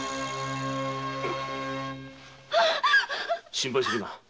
心配するな。